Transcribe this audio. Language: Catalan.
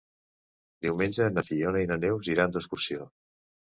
Diumenge na Fiona i na Neus iran d'excursió.